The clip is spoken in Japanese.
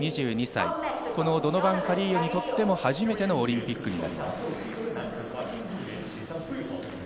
２２歳、このドノバン・カリーヨにとっても初めてのオリンピック。